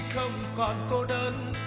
không còn cô đơn